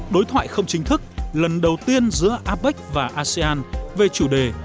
đối thoại không chính thức lần đầu tiên giữa apec và asean về chủ đề